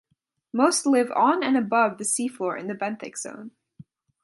Most live on and above the seafloor in the benthic zone.